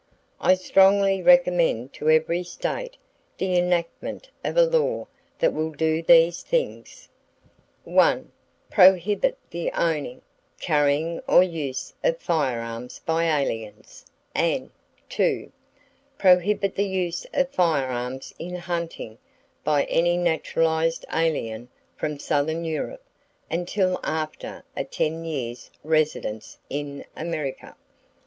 I strongly recommend to every state the enactment of a law that will do these things: —Prohibit the owning, carrying or use of firearms by aliens, and —Prohibit the use of firearms in hunting by any naturalized alien from southern Europe until after a 10 years' residence in America.